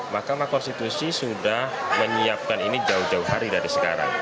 mahkamah konstitusi sudah menyiapkan ini jauh jauh hari dari sekarang